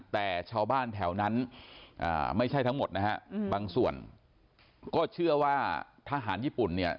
แต่ชาวบ้านแถวนั้นไม่ใช่ทั้งหมดนะฮะบางส่วนก็เชื่อว่าทหารญี่ปุ่นเนี่ย